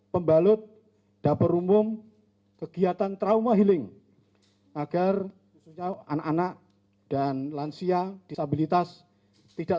pembalut dapur umum kegiatan trauma healing agar khususnya anak anak dan lansia disabilitas tidak